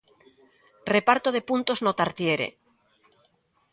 Reparto de puntos no Tartiere.